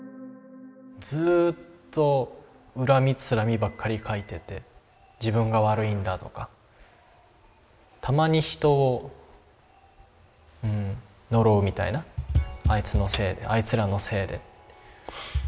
ずっと恨みつらみばっかり書いてて自分が悪いんだとかたまに人を呪うみたいなあいつのせいであいつらのせいで。